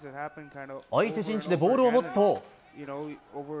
相手陣地でボールを持つと。